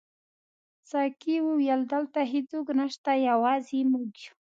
ساقي وویل: دلته هیڅوک نشته، یوازې موږ یو.